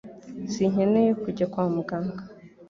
Sinkeneye kujya kwa muganga